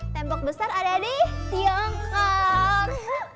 tembok besar ada di tiongkok